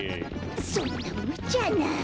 そんなむちゃな。